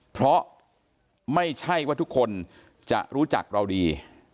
เพราะไม่ใช่ว่าทุกคนจะรู้จักเราดี